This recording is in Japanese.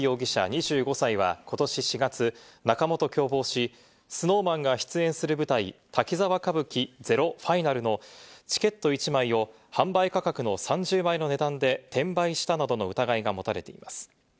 ２５歳はことし４月、仲間と共謀し、ＳｎｏｗＭａｎが出演する舞台『滝沢歌舞伎ＺＥＲＯＦＩＮＡＬ』のチケット１枚を販売価格の３０倍の値段で転売したなどの疑いが持たれています。